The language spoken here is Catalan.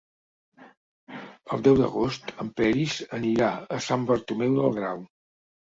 El deu d'agost en Peris anirà a Sant Bartomeu del Grau.